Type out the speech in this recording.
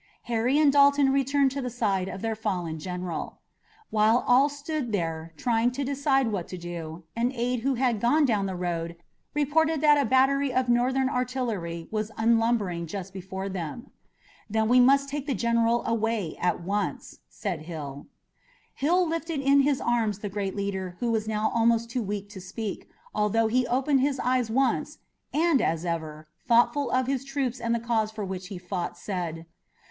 Harry and Dalton returned to the side of their fallen general. While all stood there trying to decide what to do, an aide who had gone down the road reported that a battery of Northern artillery was unlimbering just before them. "Then we must take the General away at once," said Hill. Hill lifted in his arms the great leader who was now almost too weak to speak, although he opened his eyes once, and, as ever, thoughtful of his troops and the cause for which he fought, said.